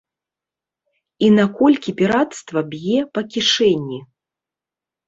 І наколькі пірацтва б'е па кішэні?